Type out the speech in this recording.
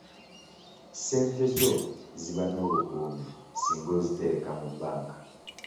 Ssente zo ziba n'obukuumi singa ozitereka mu banka.